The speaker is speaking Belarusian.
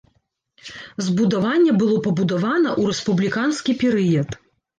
Збудаванне было пабудавана ў рэспубліканскі перыяд.